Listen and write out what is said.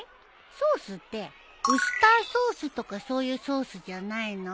ソースってウスターソースとかそういうソースじゃないの？